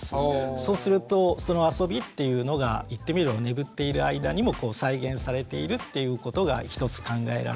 そうするとその遊びっていうのが言ってみれば眠っている間にも再現されているっていうことが一つ考えられるような気がします。